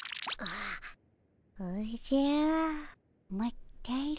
おじゃまったり。